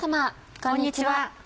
こんにちは。